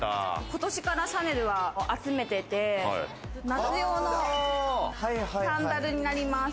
今年からシャネルは集めてて、夏用のサンダルになります。